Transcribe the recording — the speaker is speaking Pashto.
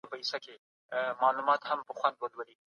د خلکو ګډي ګټي د سياست له لاري ساتل کېږي.